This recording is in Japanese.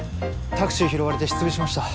タクシー拾われて失尾しました。